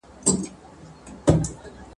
د کمزوري عاقبت ..